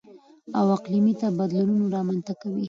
او اقلـيمي نه بـدلونـونه رامـنځتـه کوي.